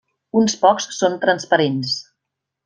Uns pocs són transparents.